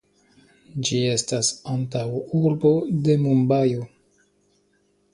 Ĝi estas antaŭurbo de Mumbajo.